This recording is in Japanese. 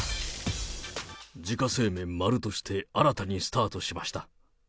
自家製麺丸として新たにスタートしました。